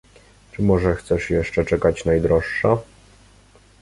"Czy może chcesz jeszcze czekać, najdroższa?"